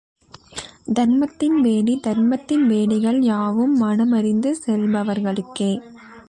தர்மத்தின் வேலி தர்மத்தின் வேலிகள் யாவும் மனமறிந்து செல்பவர்களுக்கே.